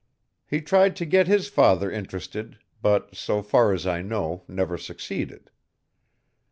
He tried to get his father interested, but, so far as I know, never succeeded.